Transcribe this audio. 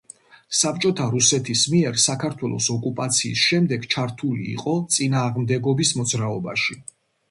საბჭოთა რუსეთის მიერ საქართველოს ოკუპაციის შემდეგ ჩართული იყო წინააღმდეგობის მოძრაობაში.